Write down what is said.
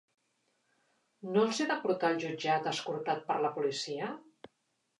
No els he de portar al jutjat escortat per la policia?